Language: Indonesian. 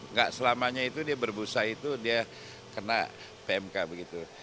nggak selamanya itu dia berbusa itu dia kena pmk begitu